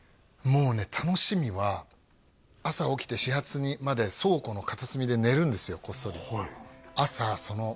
もうね楽しみは朝起きて始発まで倉庫の片隅で寝るんですよ